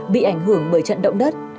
bị ảnh hưởng bởi trận động đất